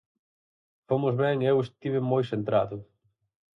Fomos ben e eu estiven moi centrado.